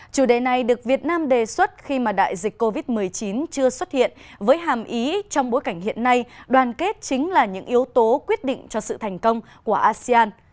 chủ đề này được việt nam đề xuất khi mà đại dịch covid một mươi chín chưa xuất hiện với hàm ý trong bối cảnh hiện nay đoàn kết chính là những yếu tố quyết định cho sự thành công của asean